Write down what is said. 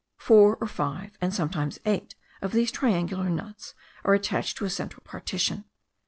Four or five, and sometimes eight of these triangular nuts, are attached to a central partition.